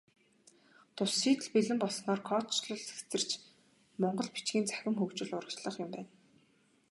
Тус шийдэл бэлэн болсноор кодчилол цэгцэрч, монгол бичгийн цахим хөгжил урагшлах юм байна.